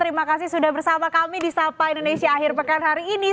terima kasih sudah bersama kami di sapa indonesia akhir pekan hari ini